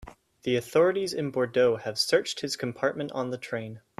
The authorities in Bordeaux have searched his compartment on the train.